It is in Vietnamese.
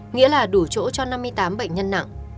nghĩa là đủ chỗ cho năm mươi tám bệnh nhân nặng